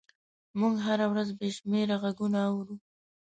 موږ هره ورځ بې شمېره غږونه اورو.